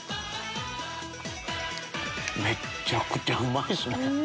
めちゃくちゃうまいっすね。